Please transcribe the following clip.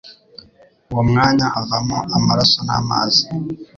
uwo mwanya havamo amaraso n'amazi.